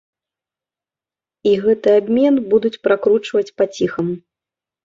І гэты абмен будуць пракручваць па ціхаму.